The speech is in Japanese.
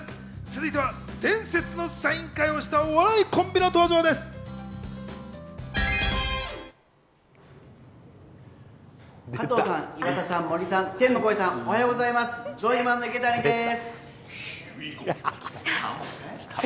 続いては伝説のサイン会をした、お笑いのコンビが登場です。